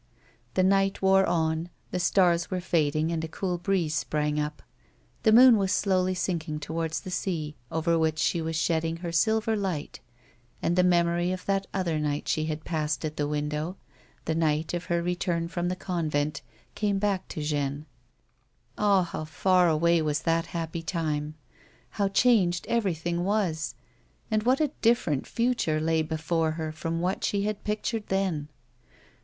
The night wore on ; the stars were fading, and a cool breeze sprang up. The moon was slowly sinking towards the sea over which she was shedding her silver light, and the memory of that other night she had passed at the window, the night of her return from the convent, came back to Jeanne. Ah ! how far away was that happy time ! How changed everything was, and what a different future lay before her from what she had pictured then